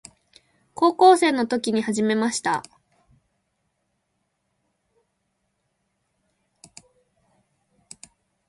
高校生の時に始めました。